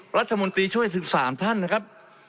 รัฐมนตรีช่วย๑๓ท่านนะครับ